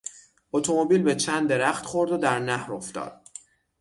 اتومبیل به چند درخت خورد و در نهر افتاد.